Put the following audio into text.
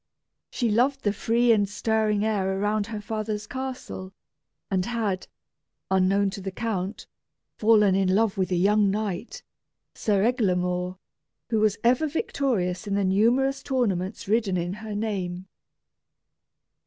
She loved the free and stirring air around her father's castle, and had, unknown to the count, fallen in love with a young knight, Sir Eglamour, who was ever victorious in the numerous tournaments ridden in her name.